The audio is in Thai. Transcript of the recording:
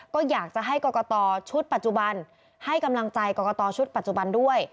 ก็อยากจะให้กรกตชุดปัจจุบันให้กำลังใจกรกตชุดปัจจุบันด้วย